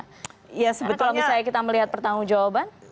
kalau misalnya kita melihat pertanggung jawaban